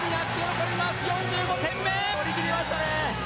取り切りましたね！